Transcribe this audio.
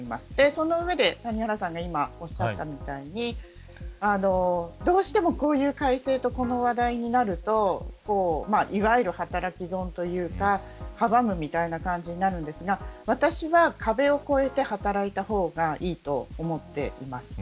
その上で、谷原さんが今おっしゃったようにどうしてもこういう体制とこの話題になるといわゆる働き損というか阻む感じになるんですが私は壁を超えて働いた方がいいと思っています。